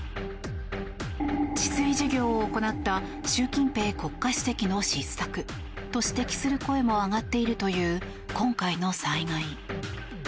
治水事業を怠った習近平国家主席の失策と指摘する声も上がっているという今回の災害。